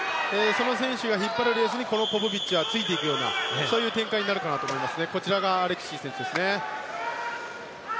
その選手が引っ張るレースにポポビッチがついていくようなそういう展開になると思います。